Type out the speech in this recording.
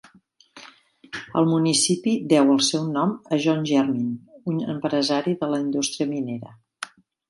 El municipi deu el seu nom a John Jermyn, un empresari de la indústria minera.